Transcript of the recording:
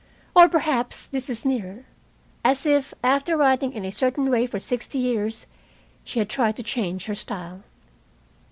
Or perhaps this is nearer as if, after writing in a certain way for sixty years, she had tried to change her style.